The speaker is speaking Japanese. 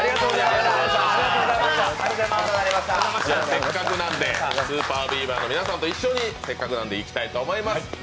せっかくなので、ＳＵＰＥＲＢＥＡＶＥＲの皆さんと一緒にいきたいと思います。